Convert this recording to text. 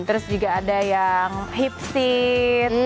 terus juga ada yang hip seat